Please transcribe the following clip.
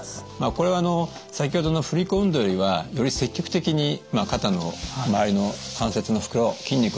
これはあの先ほどの振り子運動よりはより積極的に肩の周りの関節の袋筋肉を伸ばしますので無理せず。